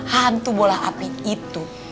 hantu bola api itu